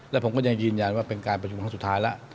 และผมก็ยังยืนยันว่าเป็นการประชุมครั้งสุดท้ายแล้ว